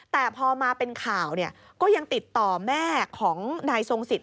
แต่พอมาเป็นข่าวเนี่ยก็ยังติดต่อแม่ของนายทรงสิทธ